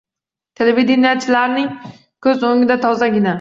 Televideniyechilarning ko‘z o‘ngida tozagina